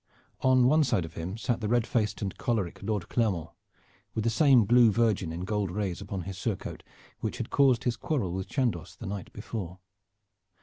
On one side of him sat the red faced and choleric Lord Clermont, with the same blue Virgin in golden rays upon his surcoat which had caused his quarrel with Chandos the night before.